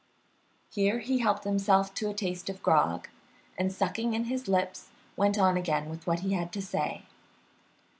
Here he helped himself to a taste of grog, and sucking in his lips, went on again with what he had to say.